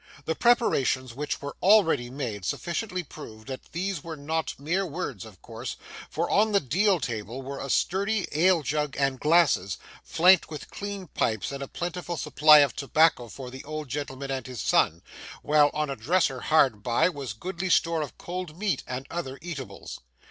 The preparations which were already made sufficiently proved that these were not mere words of course, for on the deal table were a sturdy ale jug and glasses, flanked with clean pipes and a plentiful supply of tobacco for the old gentleman and his son, while on a dresser hard by was goodly store of cold meat and other eatables.